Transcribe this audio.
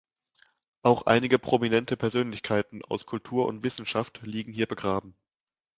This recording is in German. Auch einige prominente Persönlichkeiten aus Kultur und Wissenschaft liegen hier begraben.